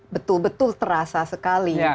betul betul terasa sekali